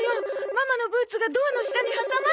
ママのブーツがドアの下に挟まっちゃって！